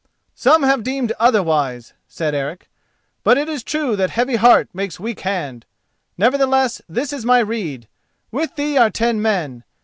"Some have deemed otherwise," said Eric, "but it is true that heavy heart makes weak hand. Nevertheless this is my rede. With thee are ten men.